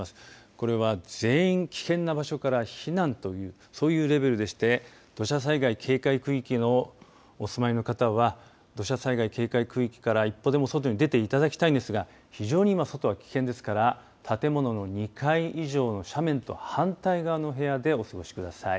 これは全員危険な場所から避難というそういうレベルでして土砂災害警戒区域のお住まいの方は土砂災害警戒区域から一歩でも外に出ていただきたいですが非常に今、外は危険ですから建物の２階以上の斜面と反対側の部屋でお過ごしください。